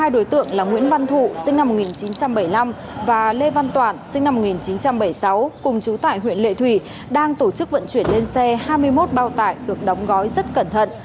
hai đối tượng là nguyễn văn thụ sinh năm một nghìn chín trăm bảy mươi năm và lê văn toản sinh năm một nghìn chín trăm bảy mươi sáu cùng chú tại huyện lệ thủy đang tổ chức vận chuyển lên xe hai mươi một bao tải được đóng gói rất cẩn thận